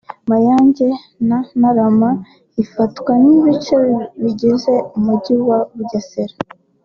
Mayange na Ntarama ifatwa nk’ibice bigize umujyi wa Bugesera